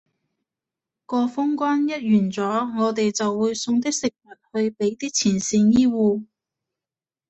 個封關一完咗，我哋就會送啲食物去畀啲前線醫護